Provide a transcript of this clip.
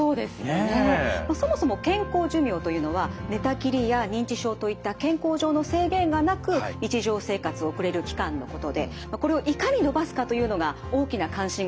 そもそも健康寿命というのは寝たきりや認知症といった健康上の制限がなく日常生活を送れる期間のことでこれをいかに延ばすかというのが大きな関心事になっています。